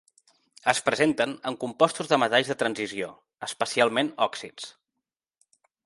Es presenten en compostos de metalls de transició, especialment òxids.